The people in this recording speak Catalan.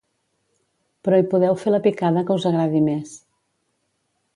Però hi podeu fer la picada que us agradi més.